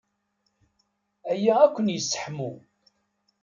Aya ad ken-yesseḥmu.